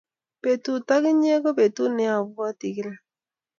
petut ak inye ko petut ne apwati kilaa